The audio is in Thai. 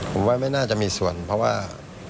ผมว่าไม่น่าจะมีส่วนเพราะว่า